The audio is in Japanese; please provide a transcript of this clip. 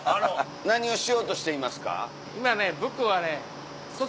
何をしようとしていますか？